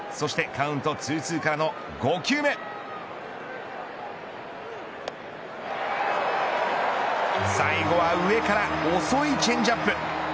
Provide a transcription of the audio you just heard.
そしてカウントツーツーからの５球目最後は上から遅いチェンジアップ。